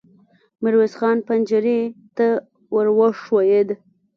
ميرويس خان پنجرې ته ور وښويېد.